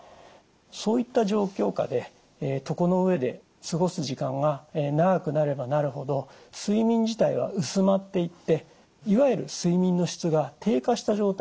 そういった状況下で床の上で過ごす時間が長くなればなるほど睡眠自体は薄まっていっていわゆる睡眠の質が低下した状態になりやすいんです。